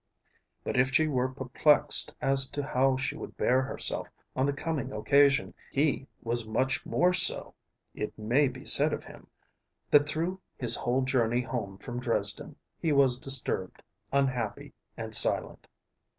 But if she were perplexed as to how she would bear herself on the coming occasion he was much more so. It may be said of him, that through his whole journey home from Dresden he was disturbed, unhappy, and silent.